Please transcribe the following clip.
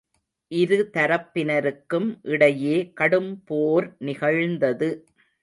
இருதரப்பினருக்கும் இடையே கடும்போர் நிகழ்ந்தது.